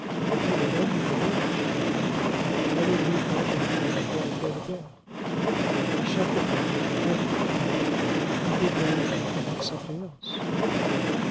If you will lend me the book," she continued, "I will read it over again before I go to bed." He shut the volume, handed it to her, and began to talk about something else.